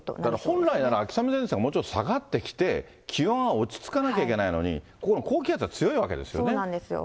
、本来なら秋雨前線がもうちょっと下がってきて、気温は落ち着かなきゃいけないのに、この高気そうなんですよ。